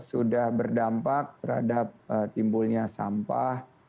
sudah berdampak terhadap timbulnya sampah